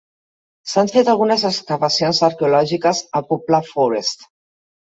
S'han fet algunes excavacions arqueològiques a Poplar Forest.